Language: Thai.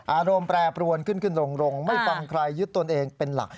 อารมณ์แปรปรวนขึ้นขึ้นลงไม่ฟังใครยึดตนเองเป็นหลัก